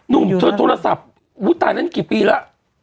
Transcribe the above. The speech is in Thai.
นุ่มโทรศัพท์ตายแบบนั้นกี่ปีละ